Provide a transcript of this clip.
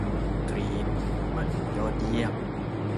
กรี๊ด มันยอดเยี่ยม